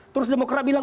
terus demokra bilang